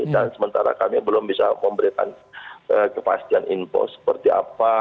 dan sementara kami belum bisa memberikan kepastian info seperti apa